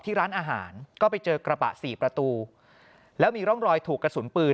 ร้านอาหารก็ไปเจอกระบะสี่ประตูแล้วมีร่องรอยถูกกระสุนปืน